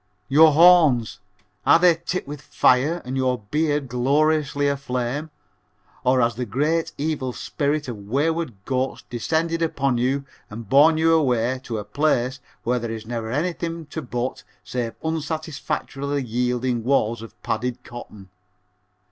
Your horns, are they tipped with fire and your beard gloriously aflame, or has the great evil spirit of Wayward Goats descended upon you and borne you away to a place where there is never anything to butt save unsatisfactorily yielding walls of padded cotton?